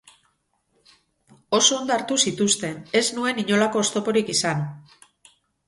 Oso ondo hartu zituzten, ez nuen inolako oztoporik izan.